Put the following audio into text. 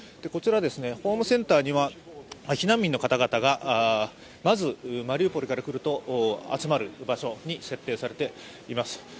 こちら、ホームセンターには避難民の方々がまずマリウポリから来ると集まる場所に設定されています。